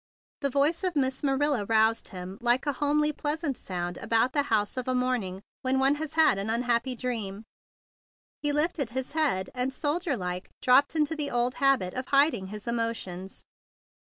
The voice of Miss Marilla roused him like a homely, pleasant sound about the house of a morning when one has had an unhappy dream; and he lifted his head, and, soldier like, dropped into the old habit of hiding his emotions.